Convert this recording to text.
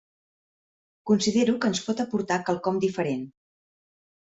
Considero que ens pot aportar quelcom diferent.